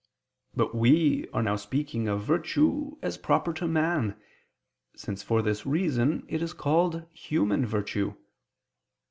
But we are now speaking of virtue as proper to man, since for this reason it is called human virtue.